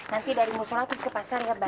nanti dari mu sholat terus ke pasar ya bang